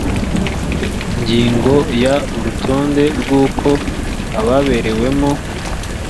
ingingo ya urutonde rw uko ababerewemo